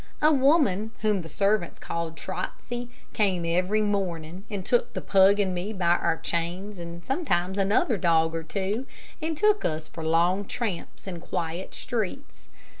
A woman, whom the servants called Trotsey, came every morning, and took the pug and me by our chains, and sometimes another dog or two, and took us for long tramps in quiet streets.